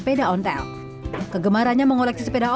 setelah saya mengoleksi sepeda